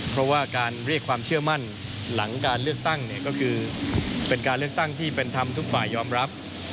เพราะว่าการเรียกความเชื่อมั่นหลังการเลือกตั้งเนี่ยก็คือเป็นการเลือกตั้งที่เป็นธรรมทุกฝ่ายยอมรับ